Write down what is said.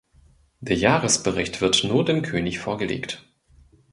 Der Jahresbericht wird nur dem König vorgelegt.